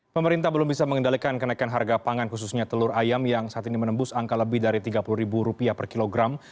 pemerintah belum bisa mengendalikan kenaikan harga pangan khususnya telur ayam yang saat ini menembus angka lebih dari rp tiga puluh per kilogram